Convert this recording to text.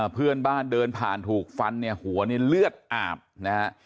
เพื่อนบ้านเดินผ่านถูกฟันเนี่ยหัวนี่เลือดอาบนะฮะ